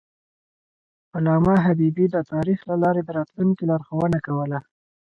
علامه حبیبي د تاریخ له لارې د راتلونکي لارښوونه کوله.